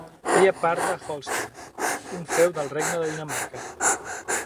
Feia part de Holstein, un feu del regne de Dinamarca.